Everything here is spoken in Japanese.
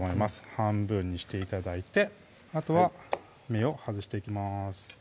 半分にして頂いてあとは芽を外していきます